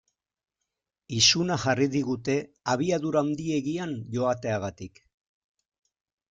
Izuna jarri digute abiadura handiegian joateagatik.